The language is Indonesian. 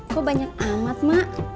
kok banyak amat mak